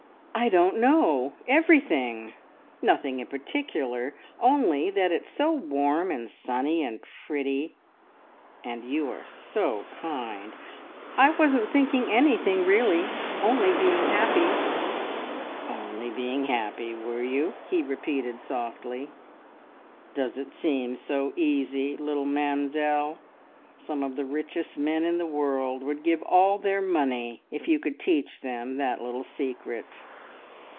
"I don't know. Everything. Nothing in particular, only that it's so warm and sunny and pretty; and you are so kind. I wasn't thinking anything, only being happy." "`_Only_ being happy,' were you?" he repeated softly. "Does it seem so easy, little Mamzelle? Some of the richest men in the world would give all their money if you could teach them that little secret.